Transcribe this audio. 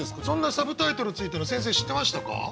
そんなサブタイトルついたの先生知ってましたか？